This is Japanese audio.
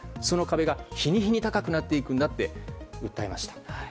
その壁が日に日に高くなっていくんだって訴えました。